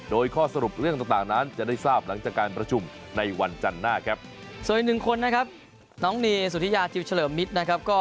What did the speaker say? โดยข้อสรุปเรื่องต่างนั้นจะได้ทราบหลังจากการประชุมในวันจันทร์หน้าครับ